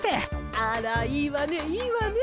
あらいいわねいいわね。